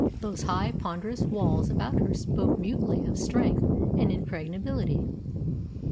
Those high, ponderous walls about her spoke mutely of strength and impregnability.